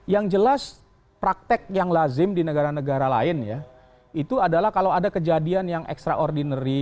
yang jelas praktek yang lazim di negara negara lain ya itu adalah kalau ada kejadian yang extraordinary